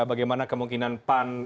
bagaimana kemungkinan pan